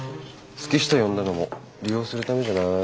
月下呼んだのも利用するためじゃない？